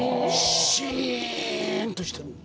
シンとしてる。